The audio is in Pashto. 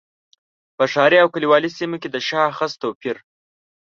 په ښاري او کلیوالي سیمو کې د شاخص توپیر.